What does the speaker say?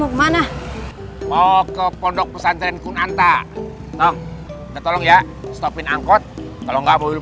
mau ke mana mau ke pondok pesantren kunanta dong tolong ya stopin angkot kalau nggak mau